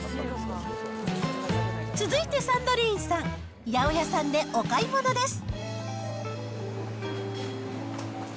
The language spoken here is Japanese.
続いてサンドリーンさん、八百屋さんでお買い物です。